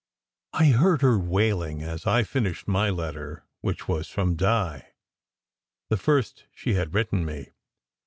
I heard her wailing as I finished my letter, which was from Di: the first she had written me.